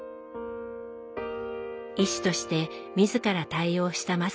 医師として自ら対応した雅子さん。